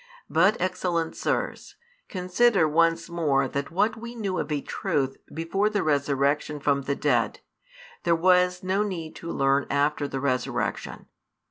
But, excellent Sirs, consider once more that what we knew of a truth before the Resurrection from the dead, there was no need to learn after the Resurrection.